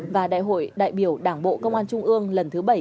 và đại hội đại biểu đảng bộ công an trung ương lần thứ bảy